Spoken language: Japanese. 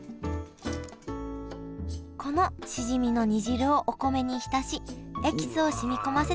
このしじみの煮汁をお米に浸しエキスを染み込ませておくのがポイント